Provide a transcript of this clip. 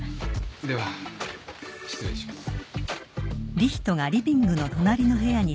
では失礼します。